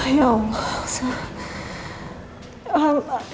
ya allah elsa